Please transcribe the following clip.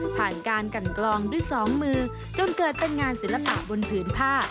ผ่านการกันกลองด้วยสองมือจนเกิดเป็นงานศิลปะบนผืนผ้า